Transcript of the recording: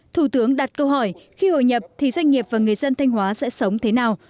thủ tướng đặt câu hỏi khi hồi nhập thì doanh nghiệp và người dân thanh hóa sẽ sống thế nào